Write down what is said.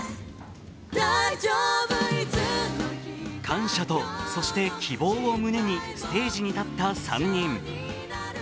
感謝と、そして希望を胸にステージに立った３人。